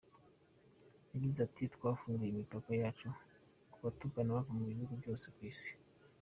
Yagize ati “Twafunguye imipaka yacu ku batugana bava mu bihugu byose ku Isi.